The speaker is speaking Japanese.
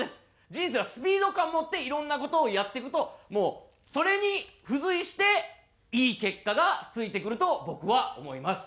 人生はスピード感を持っていろんな事をやっていくともうそれに付随していい結果がついてくると僕は思います。